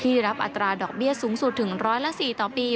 ที่รับอัตราดอกเบี้ยสูงสุดถึง๑๐๔ต่อปี